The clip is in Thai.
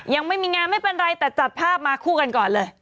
ยังไม่มีงานไม่เป็นไรแต่จัดภาพมาคู่กันก่อนเลย